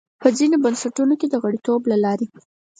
په ځینو بنسټونو کې د غړیتوب له لارې.